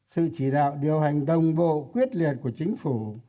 sự chỉ đạo điều hành đồng bộ quyết liệt của chính phủ